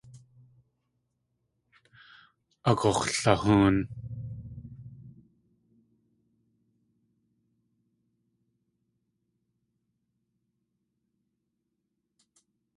Agux̲lahóon.